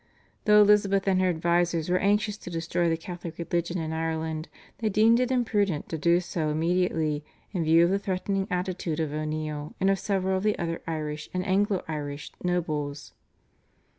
Though Elizabeth and her advisers were anxious to destroy the Catholic religion in Ireland they deemed it imprudent to do so immediately in view of the threatening attitude of O'Neill and of several of the other Irish and Anglo Irish nobles.